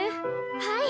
はい！